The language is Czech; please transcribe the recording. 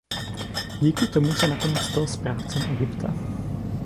Díky tomu se nakonec stal správcem Egypta.